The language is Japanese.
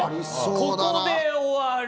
ここで終わる。